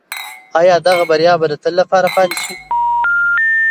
آیا دغه بریا به د تل لپاره پاتې شي؟